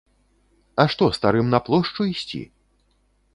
А што старым на плошчу ісці?